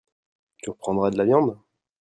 Tu reprendras de la viande ?